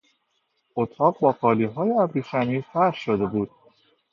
اطاق با قالیهای ابریشمی فرش شده بود.